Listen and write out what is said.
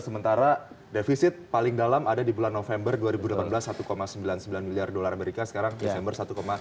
karena defisit paling dalam ada di bulan november dua ribu delapan belas satu sembilan puluh sembilan miliar dolar amerika sekarang desember satu sepuluh